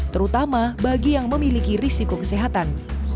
terutama bagi yang memiliki risiko kesehatan